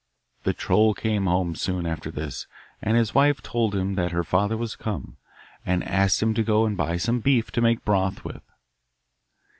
The troll came home soon after this, and his wife told him that her father was come, and asked him to go and buy some beef to make broth with.